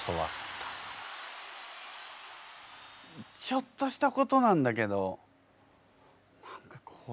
ちょっとしたことなんだけど何かこう触ったりとかの。